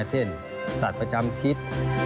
เช่นสัตว์ประจำทิศ